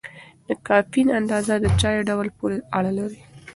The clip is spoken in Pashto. د کافین اندازه د چای ډول پورې اړه لري.